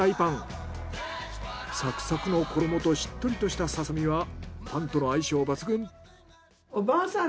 サクサクの衣としっとりとしたササミはパンとの相性抜群！